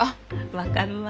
分かるわ。